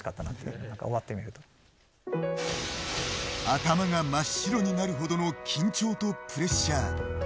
頭が真っ白になるほどの緊張とプレッシャー。